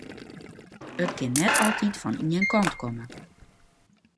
It kin net altyd fan ien kant komme.